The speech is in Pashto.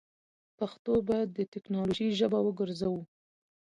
پښتو باید دټیکنالوژۍ ژبه وګرځوو.